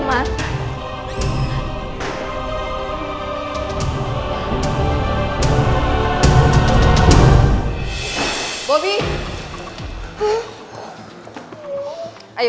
jangan melakukan itu